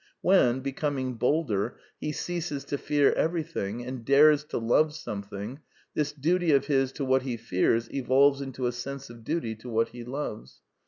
When, becoming bolder, he ceases to fear everything, and dares to love some thing, this duty of his to what he fears evolves into a sense of duty to what he loves.